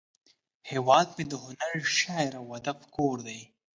هیواد مې د هنر، شعر، او ادب کور دی